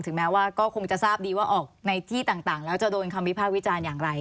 แม้ว่าก็คงจะทราบดีว่าออกในที่ต่างแล้วจะโดนคำวิภาควิจารณ์อย่างไร